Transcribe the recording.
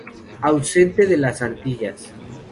Ausente de las Antillas.